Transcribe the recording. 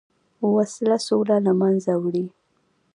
وسله سوله له منځه وړي